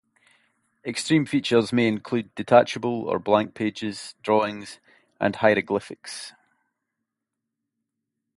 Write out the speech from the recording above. Extreme features may include detachable or blank pages, drawings, and hieroglyphics.